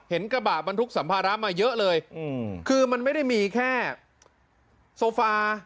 กระบะบรรทุกสัมภาระมาเยอะเลยคือมันไม่ได้มีแค่โซฟา